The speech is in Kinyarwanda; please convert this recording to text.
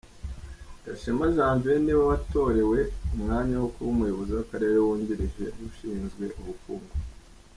Gashema Janvier ni we watorewe umwanya wo kuba Umuyobozi w’Akarere wungirije ushinzwe ubukungu.